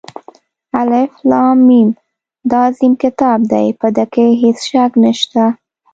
الف لام ، میم دا عظیم كتاب دى، په ده كې هېڅ شك نشته.